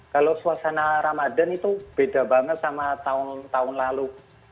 kalau suasana ramadan itu beda banget sama tahun tahun lalu